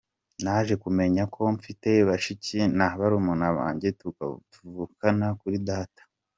Naje kumenya ko mfite bashiki na barumuna banjye tuvukana kuri Data.